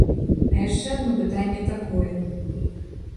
А яшчэ адно пытанне такое.